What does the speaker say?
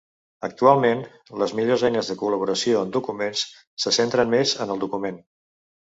Actualment, les millors eines de col·laboració en documents se centren més en el document.